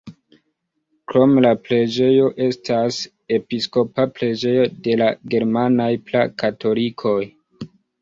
Krome la preĝejo estas episkopa preĝejo de la germanaj pra-katolikoj.